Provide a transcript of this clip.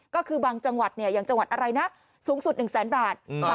ก็คือบางจังหวัดอย่างจังหวัดอะไรนะสูงสุด๑๐๐๐๐๐บาท